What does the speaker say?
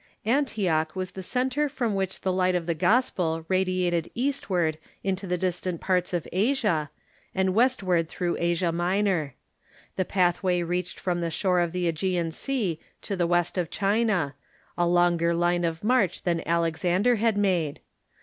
Antioch was the centre from which the light of the gospel radiated eastward into the distant parts of Asia, and west . ward through Asia Minor, The pathwav reached from the shore of the ^gean Sea to the west of China — a longer line of march than Alexander had made.